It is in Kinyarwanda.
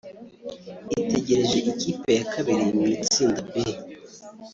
itegereje ikipe ya kabiri mu itsinda B